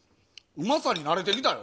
うまさに慣れてきたよ。